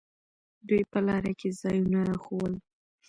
دوى په لاره کښې ځايونه راښوول.